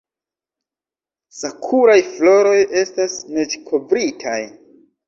Sakuraj floroj estas neĝkovritaj!